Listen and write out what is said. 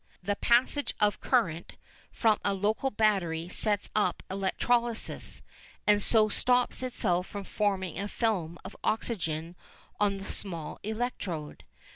The passage of current from a local battery sets up electrolysis, and so stops itself by forming a film of oxygen on the small electrode.